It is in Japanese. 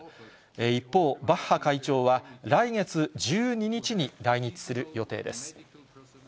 一方、バッハ会長は、来月１２日に来日する予定です。